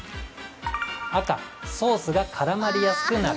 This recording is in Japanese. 赤・ソースがからまりやすくなる。